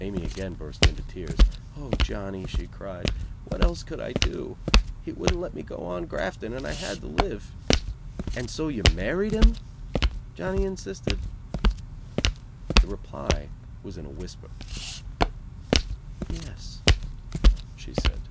Mamie again burst into tears. "Oh, Johnny," she cried, "what else could I do. He wouldn't let me go on grafting, and I had to live." "And so you married him?" Johnny insisted. The reply was in a whisper. "Yes," she said.